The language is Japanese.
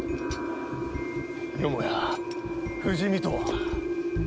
よもや不死身とは。